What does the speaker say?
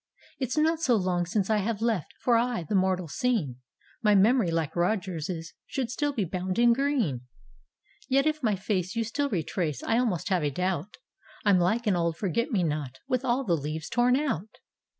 " It's not so long since I have left For aye the mortal scene; My memory — like Rogers's — Should still be bound in green 1 "Yet if my face you still retrace I almost have a doubt — I'm like an old Forget Mc Not With all the leaves torn out!